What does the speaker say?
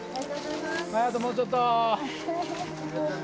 あともうちょっと。